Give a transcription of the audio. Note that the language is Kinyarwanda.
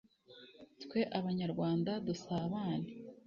twe abanyarwanda dusabane